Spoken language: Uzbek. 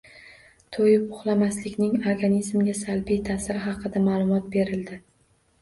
To‘yib uxlamaslikning organizmga salbiy ta’siri haqida ma’lumot berildi